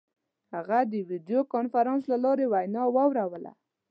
هغه د ویډیو کنفرانس له لارې وینا واوروله.